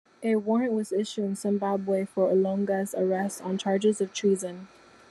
A warrant was issued in Zimbabwe for Olonga's arrest on charges of treason.